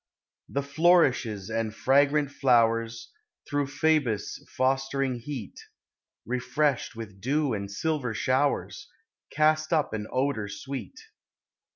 The flourishes and fragrant flowers, Through Phoebus' fostering heat, Refreshed with dew and silver showers, Cast up an odour sweet.